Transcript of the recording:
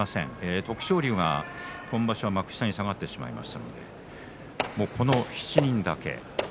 徳勝龍は今場所、幕下に下がってしまいましたのでこの７人だけ。